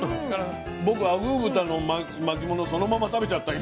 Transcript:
僕アグー豚の巻きものそのまま食べちゃった今。